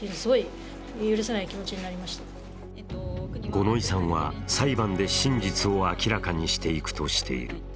五ノ井さんは、裁判で真実を明らかにしていくとしている。